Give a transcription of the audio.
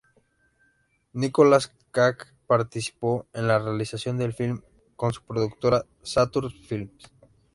Nicolas Cage participó en la realización del filme con su productora Saturn Films.